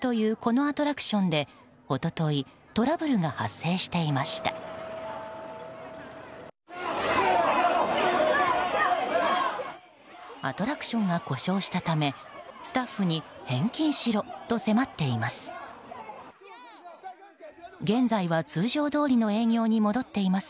アトラクションが故障したためスタッフに返金しろと迫っています。